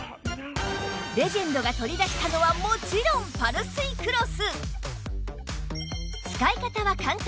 レジェンドが取り出したのはもちろん使い方は簡単！